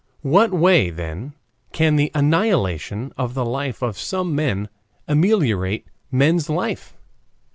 What way, then, can the annihilation of the life of some men ameliorate men's life?